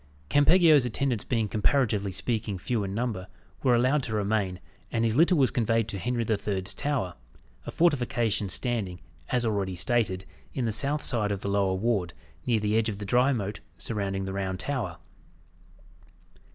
Campeggio's attendants being comparatively speaking, few in number, were allowed to remain, and his litter was conveyed to Henry the Third's Tower a fortification standing, as already stated, in the south side of the lower ward, near the edge of the dry moat surrounding the Round Tower.